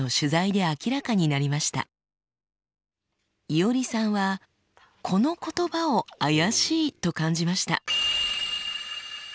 いおりさんはこの言葉を怪しいと感じました。